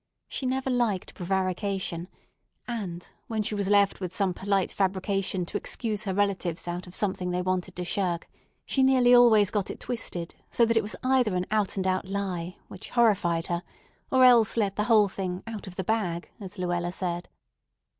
She never liked prevarication; and, when she was left with some polite fabrication to excuse her relatives out of something they wanted to shirk, she nearly always got it twisted so that it was either an out and out lie, which horrified her, or else let the whole thing "out of the bag," as Luella said.